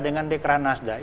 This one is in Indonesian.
dengan dekra nasdaq